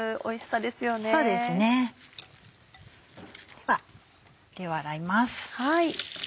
では手を洗います。